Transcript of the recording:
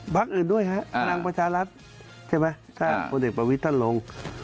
ภักดิ์อื่นด้วยครับตรงประชารับถ้าคนเด็กประวิทย์ท่านลง